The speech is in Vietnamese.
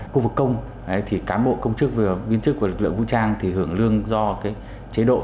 khu vực công thì cán bộ công chức viên chức của lực lượng vũ trang thì hưởng lương do chế độ